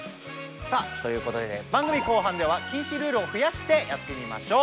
さあということで番組後半では禁止ルールをふやしてやってみましょう！